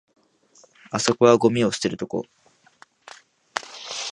あそこはゴミ捨てるとこ